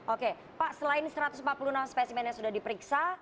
oke pak selain satu ratus empat puluh enam spesimen yang sudah diperiksa